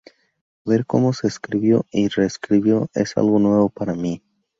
Ver cómo se escribió y re-escribió es algo nuevo para mí.